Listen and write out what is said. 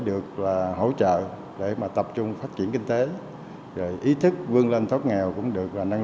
được là hỗ trợ để mà tập trung phát triển kinh tế rồi ý thức vươn lên thoát nghèo cũng được là nâng